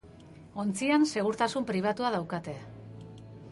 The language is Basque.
Ontzian segurtasun pribatua daukate.